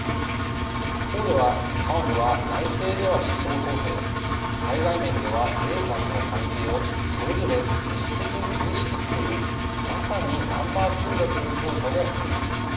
一方では彼女は内政では思想統制を対外面では米韓との関係をそれぞれ実質的に取り仕切っているまさにナンバーツーだという評価もあります。